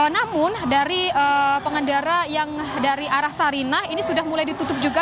namun dari pengendara yang dari arah sarinah ini sudah mulai ditutup juga